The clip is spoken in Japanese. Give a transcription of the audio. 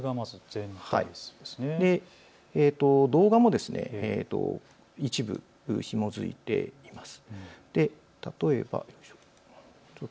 動画も一部ひも付いています。